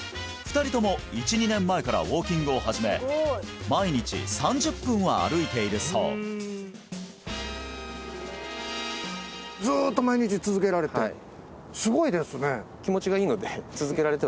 ２人とも１２年前からウォーキングを始め毎日３０分は歩いているそうずっと毎日続けられてすごいですねえ